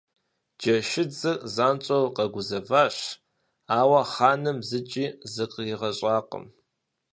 Джэшыдзыр занщӀэу къэгузэващ, ауэ хъаным зыкӀи зыкъригъэщӀакъым.